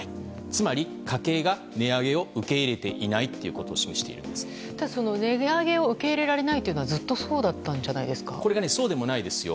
つまり家計が値上げを受け入れていないということを値上げを受け入れられないというのはずっとそうだったんじゃないですか？